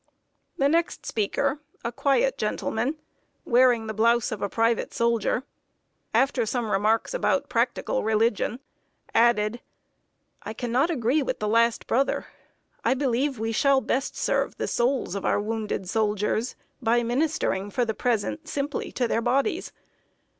The next speaker, a quiet gentleman, wearing the blouse of a private soldier, after some remarks about practical religion, added: "I can not agree with the last brother. I believe we shall best serve the souls of our wounded soldiers by ministering, for the present, simply to their bodies.